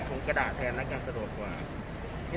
คุมขดาดมาเองด้วยการสะดวกไป